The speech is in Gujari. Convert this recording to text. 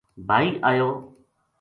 بھائی آیو